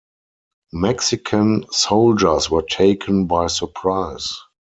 Mexican soldiers were taken by surprise.